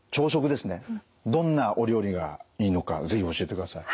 どんなお料理がいいのか是非教えてください。